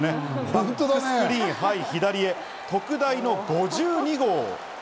バックスクリーン左へ特大の５２号。